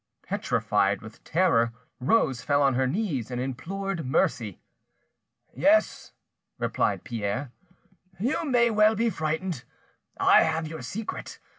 Petrified with terror, Rose fell on her knees and implored mercy. "Yes," replied Pierre, "you may well be frightened: I have your secret.